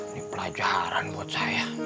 ini pelajaran buat saya